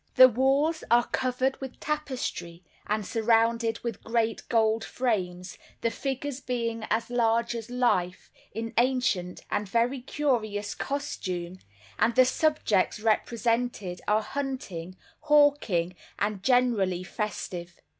The walls are covered with tapestry, and surrounded with great gold frames, the figures being as large as life, in ancient and very curious costume, and the subjects represented are hunting, hawking, and generally festive.